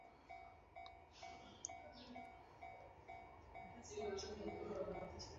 Ikindi twabamenyesha ni uko